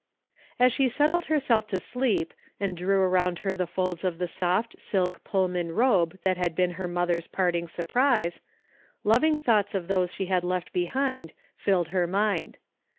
As she settled herself to sleep and drew around her the folds of the soft silk Pullman robe that had been her mother's parting surprise, loving thoughts of those she had left behind her filled her mind.